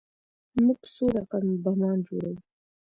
موږ څو رقم بمان جوړوو.